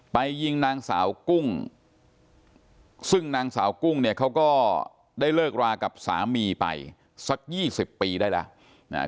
ไปยิงนางสาวกุ้งซึ่งนางสาวกุ้งเนี่ยเขาก็ได้เลิกรากับสามีไปสัก๒๐ปีได้แล้ว